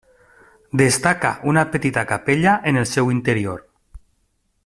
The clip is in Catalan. Destaca una petita capella en el seu interior.